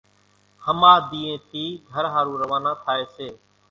ۿماڌِيئين ٿي گھر ۿارُو روانا ٿائيَ سي